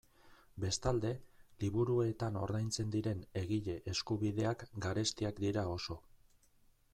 Bestalde, liburuetan ordaintzen diren egile eskubideak garestiak dira oso.